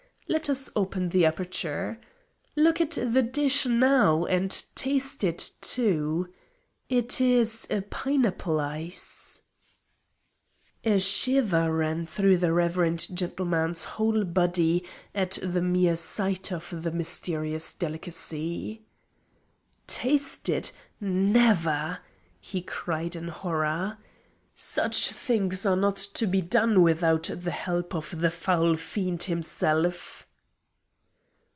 ... Let us open the aperture. Look at the dish now and taste it too. It is a pineapple ice." [Illustration: "It is a pineapple ice"] A shiver ran through the reverend gentleman's whole body at the mere sight of the mysterious delicacy. "Taste it! Never!" he cried in horror. "Such things are not to be done without the help of the foul Fiend himself!"